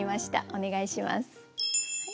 お願いします。